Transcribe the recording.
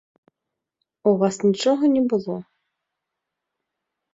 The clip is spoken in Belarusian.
У вас нічога не было.